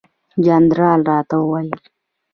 جنرال راته وویل.